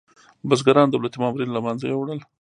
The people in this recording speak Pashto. بزګرانو دولتي مامورین له منځه یوړل.